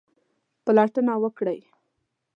پلټنه وکړئ